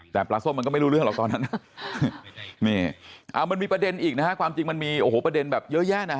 แต่ปลาส้มมันก็ไม่รู้เรื่องหรอกตอนนั้นนี่มันมีประเด็นอีกนะฮะความจริงมันมีโอ้โหประเด็นแบบเยอะแยะนะฮะ